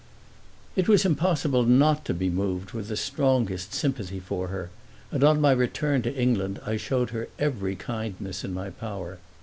IT was impossible not to be moved with the strongest sympathy for her, and on my return to England I showed her every kindness in my power.